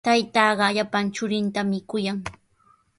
Taytaaqa llapan churintami kuyan.